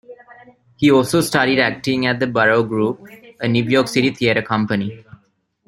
He also studied acting at The Barrow Group, a New York City theatre company.